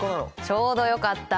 ちょうどよかった。